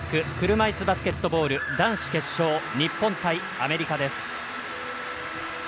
車いすバスケットボール男子決勝、日本対アメリカです。